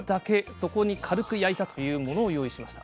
そこに軽く焼いたというものを用意しました。